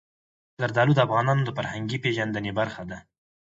زردالو د افغانانو د فرهنګي پیژندنې برخه ده.